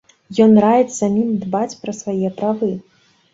Ён раіць самім дбаць пра свае правы.